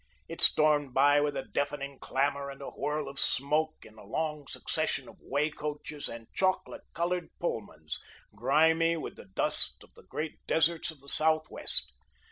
It stormed by with a deafening clamour, and a swirl of smoke, in a long succession of way coaches, and chocolate coloured Pullmans, grimy with the dust of the great deserts of the Southwest.